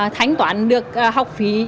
thánh toán được học phí